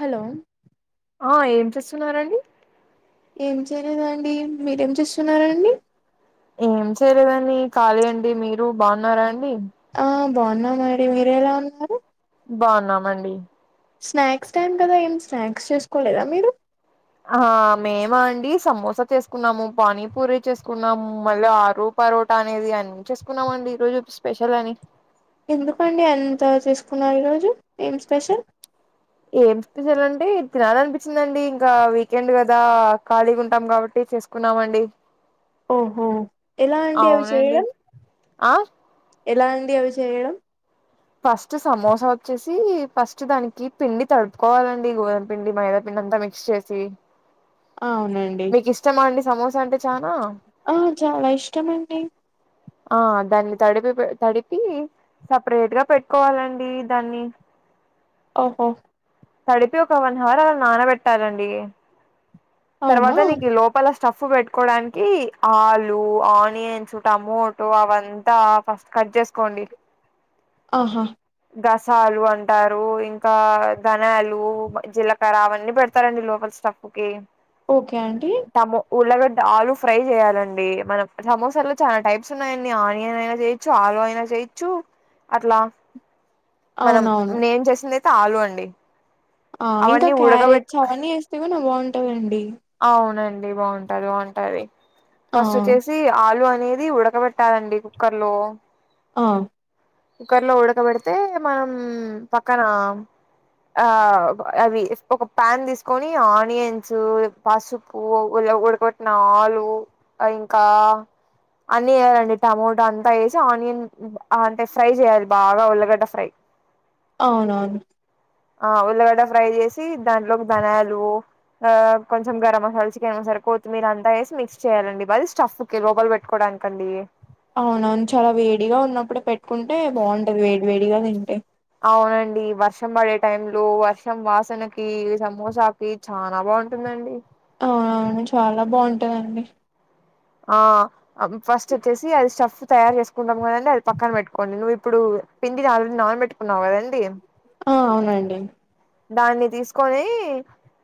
Hello ఆ ఏం చేస్తున్నారండి ఏం చేయలేదండి మీరేం చేస్తున్నారండి ఏం చేయలేదండి ఖాళీ అండి మీరు బాగున్నారా అండి బహున్నానండీ మీరేలా ఉన్నారు బాగున్నామండి స్నాక్స్ టైం కదా ఎమ్ స్నాక్స్ చేసుకోలేదా మీరు ఆ మేమా అండి సమోసా చేసుకున్నాము పానీపూరి చేసుకున్నాము మళ్ళీ ఆలు పరోట అనేది అన్ని చేసుకున్నామండి ఈ రోజు స్పెషల్ అని ఎందుకండి అంత చేసుకున్నారు ఈరోజు ఏం స్పెషల్ ఏం స్పెషల్ అంటే తినాలనిపించిందండి ఇంకా వీకెండ్ కదా ఖాళీగా ఉంటాం కాబట్టి చేసుకున్నావండి ఓహో ఎలా అండి అవి చేయడం ఆ ఎలా అండి అవి చేయడం ఫస్ట్ సమోసా వచ్చేసి ఫస్ట్ దానికి పిండి తడుపుకోవాలండి గోధుమ పిండి మైదా పిండి అంత మిక్స్ చేసి అవునండి సమోస అంటే చానా ఆ చాలా ఇష్టమండి ఆ దాన్ని తడిపి తడిపి సపరేట్ గా పెట్టుకోవాలండి దాన్ని ఓహో తడిపి ఒక వన్ హవర్ అలా నానబెట్టాలండి అవునా తర్వాత నీకు లోపల స్టఫ్ పెట్టుకోవడానికి ఆలు ఆనియన్స్ టమోటో అవంతా ఫస్ట్ కట్ చేసుకోండి ఆహా దసాలు అంటారు ఇంకా ధనాలు జీలకర్ర అవన్నీ పెడతారండి లోపల స్టఫ్ కి ఓకే ఆంటీ టమో ఉల్లగడ్డ ఆలు ఫ్రై చేయాలండి మనం సమోసాలో చాలా టైప్స్ ఉన్నాయండి ఆనియన్ అయినా చేయొచ్చు ఆలు అయినా చేయచ్చు దిచ్చు అట్లా మనం అవునవును నేం చేసిందియితే ఆలు అండి ఆ ఇంకా అవన్నీ ఉడకబెట్ క్యారెట్ అవన్నీ వేస్తే కూడా బాగుంటాందండి అవునండి బాగుంటది బాగుంటది ఆ ఫస్ట్ వచ్చేసి ఆలు అ అనేది ఉడకబెట్టాలండి కుక్కర్ లో ఆ కుక్కర్లో ఉడకబెడితే మనం పక్కన ఆ అవి ఒక ప్యాన్ తీసుకొని ఆనియన్స్ పసుపు ఇలా ఉడకొట్టిన ఆలు ఇంకా అన్ని వేయాలండి టమోటా అంతా వేసి ఆనియన్ అంటే ఫ్రై చేయాలి బాగా ఉల్ళగడ్డ ఫ్రై అవునవును ఆ ఉల్లగడ్డ ఫ్రై చేసి దాంట్లోకి ధనాలు ఆ కొంచె గరం మసాల చికెన్స సే కొత్తిమీర అంతా వేసి మిక్స్ చేయాలండి బది స్టఫ్కి లోపల పెట్టుకోవడంనికి కండి అవునవును చాలా వేడిగా ఉన్నప్పుడే పెట్టుకుంటే బాగుంటది వేడి వేడిగా తింటే అవునండి వర్షం పడే టైం లో వర్షం వాసనకి సమోసాకి చాలా బాగుంటుందండి అవునవును చాలా బావుంటాదండి ఆ ఫస్ట్ వచ్చేసి అది స్టఫ్ తయారు చేసుకుంటాం కదండి అది పక్కన పెట్టుకోండి నువ్వు ఇప్పుడు పిండిని ఆల్రెడీ నానబెట్టుకున్నాం కదండీ ఆ అవునండి దాన్ని తీసుకొని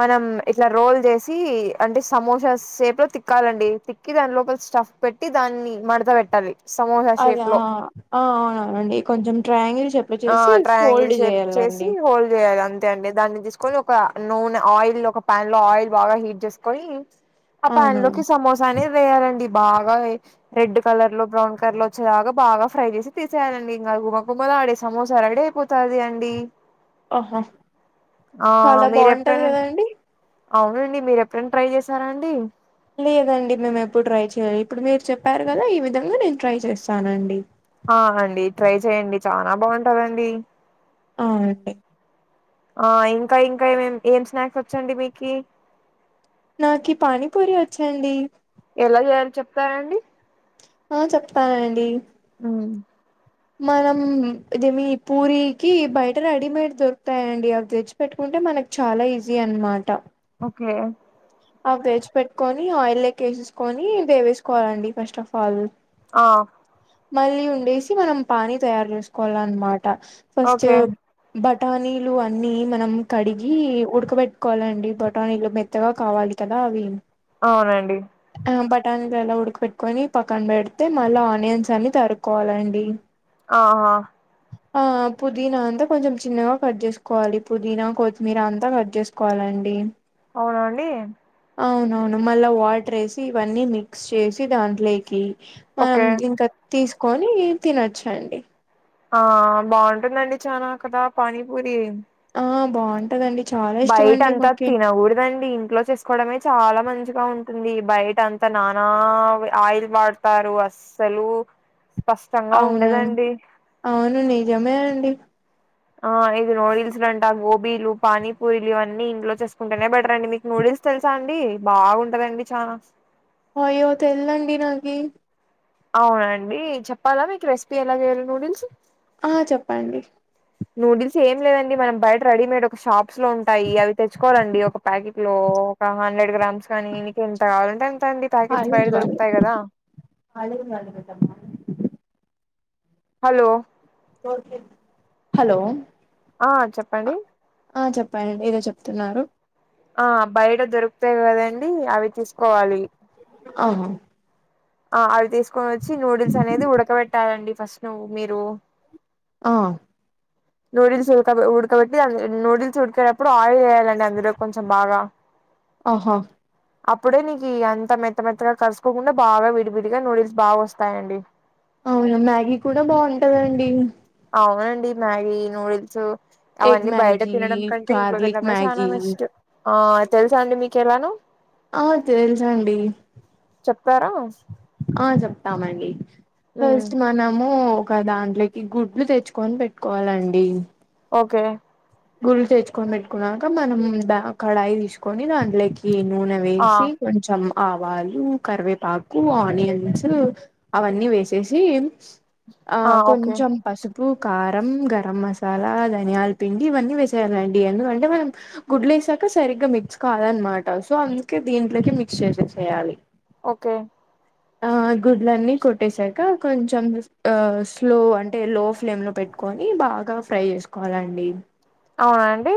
మనం ఇట్లా రోల్ చేసి అంటే సమోసా సేపులో తిక్కాలండి తిక్కి దాని లోపల స్టఫ్ పెట్టి దాన్ని మడత పెట్టాలి సమోసా అదే షేప్ లో అవునవునండి కొంచెం ట్రాయాంగిల్ ఆ ట్రయాంగిల్ షేప్ చేసి హోల్డ్ చేయాలి అంతే అండి దాన్ని కొని ఒక నూనె ఆయిల్ ఒక ప్యాన్ లో ఆయిల్ బాగా హీట్ చేసుకొని ఆ పాన్ లోకి అవునవును సమోసానే వేయాలండి బాగా రెడ్ కలర్ లో బ్రౌన్ కలర్ లో వచ్చేలాగా బాగా ఫ్రై చేసి తీసేయనం ఇంకా గుమ్మ గుమ్మలు ఆడే సమోసా రెడీ అయిపోతుంది అండి ఆహా ఆ చాలా బాగుంటది మీరెప్పుడైనా కదండి అవునండి మీరు ఎప్పుడైనా ట్రై చేశారా అండి లేదండి మేము ఎప్పుడు ట్రై చేయలే ఇప్పుడు మీరు చెప్పారు కదా ఈ విధంగా నేను ట్రై చేస్తానండి ఆ అండి ట్రై చెయండి చనా బాగుంటదండి ఆ అండి ఆ ఇంకా ఇంకా ఏమే ఏం స్నాక్స్ వచ్చండి మీకి నాకి పానీపూరి వచ్చాండి ఎలా చేయాలి చెప్తారాండి ఆ చెప్తానండి ఉ మనం ఇదే మీ పూరికి బయట రెడీమేడ్ దొరుకుతాయండి అ తెచ్చి పెట్టుకుంట అంటే మనకు చాలా ఈజీ అనమాట ఓకే ఆ తెచ్చి పెట్టుకొని ఆయిల్క్క వేసేసుకొని వే వేసుకోవాలండి ఫస్ట్ ఆఫ్ ఆల్ ఆ మళ్ళీ ఉండేసి మనం పానీ తయారు చేసుకోవాల అన్నమాట ఫస్ట్ ఓకే బ టానీలు అన్ని మనం కడిగి ఉడకబెట్టుకోవాలండి బటానీలు మెత్తగా కావాలి కదా అవి అవునండి బఠానీలు ఎలా ఉడకి పెట్కొని పక్కన పెడితే మళ్ళీ ఆనియన్స్ అని తరుకోవాలండి ఆహ ఆ పుదీనా అంతా కొంచెం చిన్నగా కట్ చేసుకోవాలి పుదీనా కొత్తిమీర అంతా కట్ చేసుకోవాలి అండి అవునండి అవునవును మళ్ళీ వాటర్ వేసి ఇవన్నీ మిక్స్ చేసి దాంట్లోకి, మనం ఓకే ఇంకా తీసుకొని తినొచ్చండి, ఆ బాగుంటుందండి చనా కదా పానీపూరి, ఆ బాగుంటదండి, చాలా ఇష్టం బయట అండి అంతా మాకి తినకూడదండి ఇంట్లో చేసుకోవడమే చాలా మంచిగా ఉంటుంది బయట అంతా నానా ఆయిల్ వాడతారు అస్సలు, స్పష్టంగా అవునవును ఉండదండి. అవును నిజమే అండి ఆ ఇది నోడిల్స్డంట, ఆ గోబీలు, పానీపూరిలు ఇవన్నీ ఇంట్లో చేసుకుంటేనే బెటర్ అండి మీకు నోడి తెలుసా అండి బాగుంటదండి చనా అయో తెలవదండి నాకి, అవునండి చెప్పాలా మీకు రెసిపీ ఎలా చేయాలో నూడిల్స్, ఆ చెప్పండి నూడిల్స్ ఏం లేదండి మనం బయట రెడీమేడ్ ఒక షాప్స్ లో ఉంటాయి, అవి తెచ్చుకోవాలండి ఒక ప్యాకెట్ లో ఒక హండ్రెడ్ గ్రామ్స్, కానీ నీకు ఎంత కావాలంటే అంత అండీ ప్యాకెట్స్ బైట కాలేజ్ వాళ్ళు దొరుకుతాయి, కదా [unintelligible] హలో హలో ఆ చెప్పండి ఆ చెప్పనండి ఏదో చెప్తున్నారు, ఆ బయట దొరుకుతాయి కదండి అవి తీసుకోవాలి, ఆహా ఆ అవి తీసుకొని వచ్చి నూడిల్స్ అనేది ఉడకబెట్టాలండి ఫస్ట్ నువ్ మీరు ఆ నూడిల్స్ ఉడక ఉడకబట్టి నూడిల్స్ ఉడికేటప్పుడు ఆయిల్ వేయాలండి అందులో కొంచెం బాగా, ఆహా అప్పుడే నీకు అంత మెత్త మెత్తగా కలుసుకోకుండా బాగా విడివిడిగా నూడిల్స్ బాగా వస్తాయండి, అవునా మ్యాగీ కూడా బాగుంటదండి. అవునండి మ్యాగీ, నూడిల్స్ ఎగ్ అవన్నీ బయట మ్యాగీ తినడం కంటే ఇంట్లో గార్లిక్ తిినడమే చాలా మ్యాగీ బెస్ట్, ఆ తెలుసా అండి మీకు ఎలానో ఆ తెలుసండి, చెప్తారా ఆ చెప్తామండి ఉమ్ ఫస్ట్ మనము ఒక దాంట్లోకి గుడ్లు తెచ్చుకొని పెట్టుకోవాలండి, ఓకే గుడ్లలు తెచ్చుకొని పెట్టుకున్నాక మనం కడాయి తీసుకొని దాంట్లోకి ఎగ్ ఈ నూనె ఆ వేసి కొంచెం ఆవాలు కరివేపాకు ఆనియన్స్ అవన్నీ వేసేసి, ఆ కొంచెం పసుపు కారం, గరం మసాలా, ధనియాల పిండి, ఇవన్నీ వేసేయాలండి ఎందుకంటే మనం గుడ్లు వేసాక సరిగ్గా మిక్స్ కావాలనమాట సో అందుకే దీ దీంట్లకి మిక్స్ చేసే చేయాలి, ఓకే ఆ గుడ్లన్నీ కొట్టేసాక కొంచెం ఆ స్లో అంటే స్లో ఫ్లేమ్ లో పెట్టు, కొని బాగా ఫ్రై చేసుకోవాలండి, ఆ అండి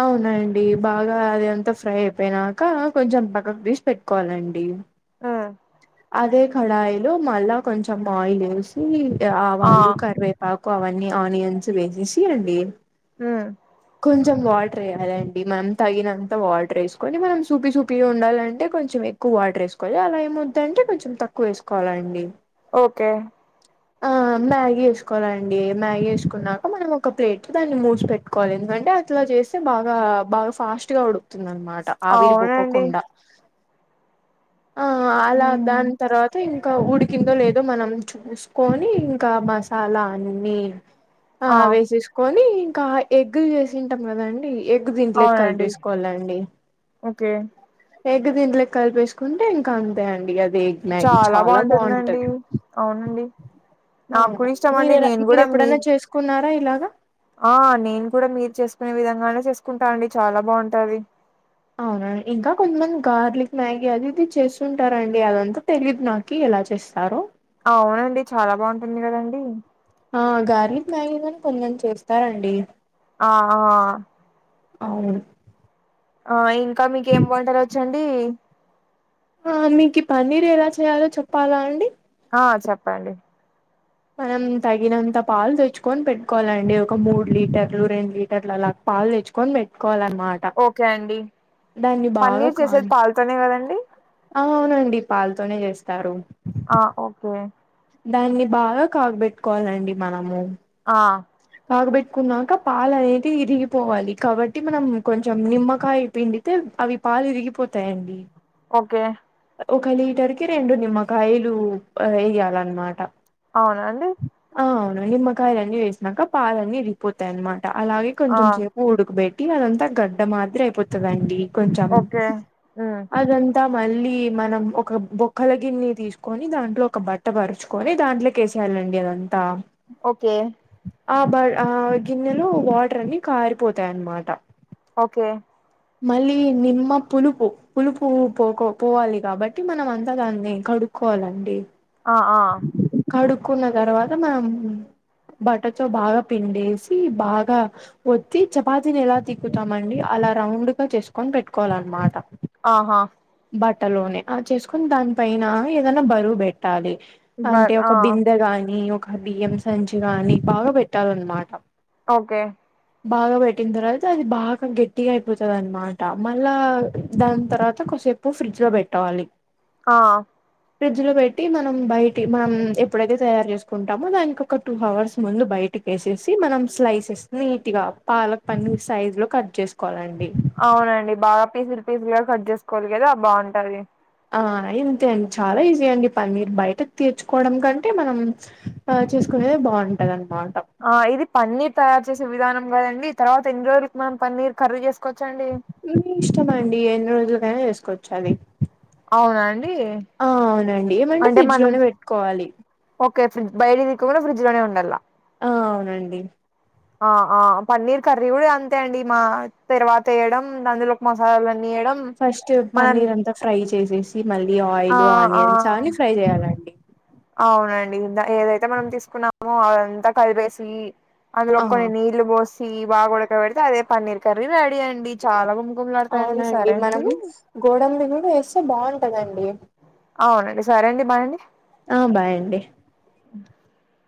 అవునండి బాగా అది అంతా ఫ్రై అయిపోయినాక కొంచెం పక్కకు తీసి పెట్టుకోవాలండి, ఉమ్ అదే కడాయిలో మళ్ళా కొంచెం ఆయిల్ వేసి ఆ ఆవాలు కరివేపాకు, వన్నీ ఆనియన్స్ వేసే చేయండి, హ కొంచెం వాటర్ వేయాలండి మనం తగినంత వాటర్ వేసుకొని మనం సూపి సూపిగా ఉండాలంటే కొంచెం ఎక్కువ తక్కు వాటర్ వేసుకోవాలి అలా ఏమ వద్ద అంటే కొంచం తక్కువ వేసుకోవాలండి ఓకే ఆ మ్యాగీ వేసుకోలండి మ్యాగీ వేసుకున్నాక మనం ఒక ప్లేట్ దాన్ని మూసి పెట్టుకోవాలి ఎందుకంటే అట్లా చేస్తే బాగా బాగా ఫాస్ట్ గా ఉడుకుతుంది అనమాట ఆవిరి అవునండి బొక్కకుండా ఆ అలా ఉమ్ దాని తర్వాత ఇం ఇంకా ఉడికిందో లేదో మనం చూసుకొని ఇంకా మసాలా అన్ని ఆ వేసేసుకొని ఇంకా ఎగ్ చేసింటాం కదండి ఎగ్ దీంట్లో అవునండి కలిపేసుకోవాలండి ఓకే ఎగ్ తింట్లకి కలిపేసుకుంటే ఇంకా అంతాండి అది ఎగ్ మ్యాగీ చాలా బాగుంటుంది అవునండి నాకు అవునడి కూడా ఇష్టం అండి మీరెలా నేను మీరు కూడా మీ ఎప్పుడైనా చేసుకున్నారా ఇలాగా ఆ నేను కూడా మీరు చేసుకునే విధంగానే చేసుకుంటానండి చాలా బాగుంటది అవునండి ఇంకా కొంతమంది గార్లిక్ మ్యాగీ అది ఇది చేస్తుంటారంండి అదంతా తెలియదు నాకు ఎలా చేస్తారు అవునండి చాలా బాగుంటుంది కదండి ఆ గార్లిక్ మ్యాగీ కూడా కొందరు చేస్తారండి ఆ అవును ఆ ఇంకా మీక ఏం వంటలు వచండి ఆ మీకు పన్నీర్ ఎలా చేయాలో చెప్పాలా అండి ఆ చెప్పండి మనం తగినంత పాలు తెచ్చుకొని పెట్టుకోవాలండి ఒక మూడు లీటర్లు రెండు లీటర్లు అలా పాల్ తెచ్చుని మట్టు కోవాలన్నమాట ఓకే అండి దాన్ని బాగా పన్నీర్ చేసేది కానీ పాలతోనే కదండి ఆ అవునండి పాలుతోనే చేస్తారు ఆ ఓకే దాన్ని బాగా కాగబెట్టుకోవాలండి మనము ఆ తాగబెట్టుకున్నాక పాల అనేది విరిగిపోవాలి కాబట్టి మనం కొంచెం నిమ్మకాయ పిండితే అవి పాలు విరిగిపోతాయండి ఓకే ఒక లీటర్ కి రెండు నిమ్మకాయలు వేయాలన్నమాట అవునా అండి అవును నిమ్మకాయల అన్ని వేసినాక పాలన్నీ విడిగిపోతాయి అనమాట అలాగే ఆ కొంచెం సేపు ఉడకబెట్ అదంతా గడ్డ మాత్ర అయిపోతుందండి కొంచెం ఓకే ఉమ్ అదంతా మళ్ళీ మనం ఒక బొక్కల గిన్నె తీసుకొని దాంట్లో ఒక బట్ట పరుచుకొని దాంట్లోకేసేయాలి అండి ఓకే ఆ బ ఆ గిన్నెలు వాటర్ ని కారిపోతాయన్నమాట ఓకే మళ్ళీ నిమ్మ పులుపు పులుపు పో పోవాలి కాబట్టి మనం అంతా దాన్ని కడు కోవాలండి ఆ ఆ కడుకున్నగరవాద మనం బట్ట తో బాగా పిండేసి బాగా ఒత్తి చపాతని ఎలా తిక్కుతామండి అలా రౌండ్ గా చేసుకొని పెట్టుకోవాల అన్నమాట ఆహా బట్టలోనే ఆ చేసుకుని దాని పన ఏదనా బరువు పెట్టాలి బర్ అంటే ఆ ఒక బిందె గాని ఒక బియ్యం సంచి గాని బాగా పెట్టాలన్నమాట ఒకే బాగా పెట్టిన తర్వాత అది బాగ గెట్ గట్టి అయిపోతది అనమాట మళ్ళా దాని తర్వాత కొసేపు ఫ్రిడ్జ్ లో పెట్టవాలి ఆ ఫ్రిడ్జ్ లో పెట్టి మనం బయటి మనం ఎప్పుడైతే తయారు చేసుకుంటామో దానికి ఒక టూ అవర్స్ ముందు బై [unintelligible] మనం స్లైసె నీట్ గా పాలక్ పన్నర్ సైజ్ లో కట్ చేసు అవునండి బాగా పీసులు పీసులుగా కట్ చేసుకోవాలి కదా బాగుంటది ఆ అంతే అండి చాలా ఈజీ అండి పన్నీర్ బయటకు తీర్చుకోవడం కంటే మనం చేసుకు బాగుంటాదంట ఆ ఇది పన్నీర్ తయారు చేసే విధానం కదండి తర్వాత ఎన్ని రోజులకి మనం పన్నీర్ కర్రీ చేసు మీ ఇష్టమండి ఎన్ని రోజులకైనా చేసుకోవచ్చు అది అవునాండి ఆ అవునండి ఏమంటే ఫ్రిడ్జ్ లోనే పెట్టుకోవాలి [unintelligible] బయట తీకుండ ఫ్రిడ్జ్ లోనే ఉండాల ఆ అవునండి ఆ ఆ పన్నీర్ కర్రీ కూడ అంతే అండి మా తర్వాత వేయడం అందులో మసాలాలు ఫస్ట్ పన్నీర్ అంతా ఫ్రై చేసేసి మళ్ళీ ఆ ఆయిల్ ఆ ఆనియన్స్ కానీ ఫ్రై చేయాలండి అవునండి ఏదైతే మనం తీసుకున్నామో అదంతా కలిపేసి అందులో ఆ కొన్ని నీళ్లు పోసి బాగ ఉడక పెడితే అదే పన్నీర్ కర్రీ రెడీ అండి చాల అవునండి మనం గోడంబి కూడ వేస్తే బాగుంటందండి అవునండి సారే అండి బాయండి ఆ బాయ్అండి ఆ